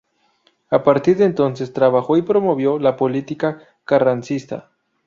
A partir de entonces, trabajó y promovió la política carrancista.